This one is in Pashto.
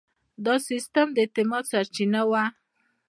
دا سیستم د اعتماد سرچینه وه.